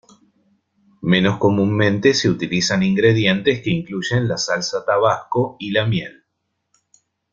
Menos comúnmente se utilizan ingredientes que incluyen la salsa Tabasco y la miel.